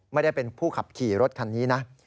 ไม่ได้เป็นผู้ขับขี่รถคันนี้นะ